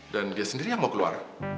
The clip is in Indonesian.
dan dia sendiri yang mau keluar